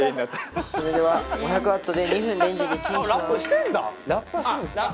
それでは５００ワットで２分レンジでチンします。